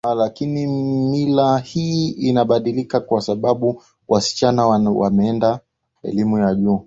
Lakini mila hii inabadilika kwa sababu wasichana wanaenda elimu ya juu